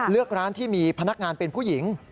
เลือกร้านที่มีพนักงานเป็นผู้หญิง